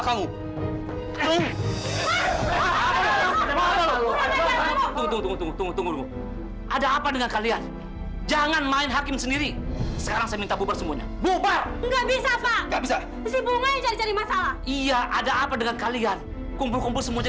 sampai jumpa di video selanjutnya